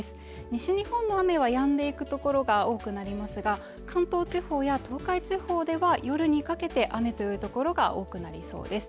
西日本の雨はやんでいく所が多くなりますが関東地方や東海地方では夜にかけて雨という所が多くなりそうです